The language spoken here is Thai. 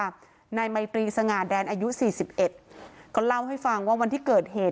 นายไมตรีสง่าแดนอายุสี่สิบเอ็ดก็เล่าให้ฟังว่าวันที่เกิดเหตุ